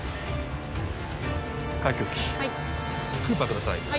開胸器クーパーください